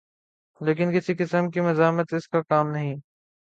لیکن کسی قسم کی مزاحمت اس کا کام نہیں۔